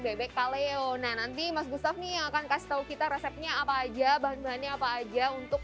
bebek kaleo nah nanti mas gustaf nih yang akan kasih tahu kita resepnya apa aja bahan bahannya apa aja untuk